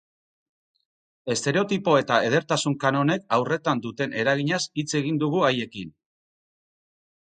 Estereotipo eta edertasun kanonek haurretan duten eraginaz hitz egin dugu haiekin.